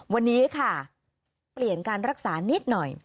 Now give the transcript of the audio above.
วันนี้ค่ะเปลี่ยนการรักษานิดหน่อย